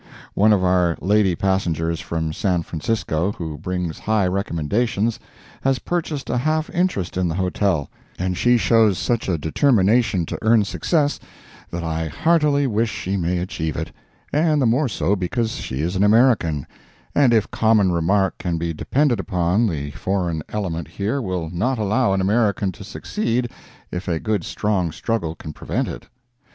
One of our lady passengers from San Francisco, who brings high recommendations, has purchased a half interest in the hotel, and she shows such a determination to earn success that I heartily wish she may achieve it—and the more so because she is an American, and if common remark can be depended upon the foreign element here will not allow an American to succeed if a good strong struggle can prevent it.